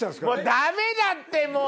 ダメだってもう！